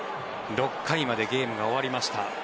６回までゲームが終わりました。